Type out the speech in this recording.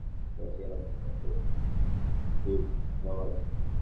তোমার চেহারা দেখেই লোকজন ভিড় জমাবে।